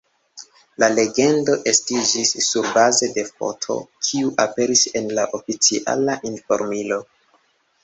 La legendo estiĝis surbaze de foto, kiu aperis en la oficiala informilo.